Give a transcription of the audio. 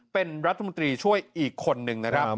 เป็นรัฐมนตรีช่วยอีกคนนึงนะครับ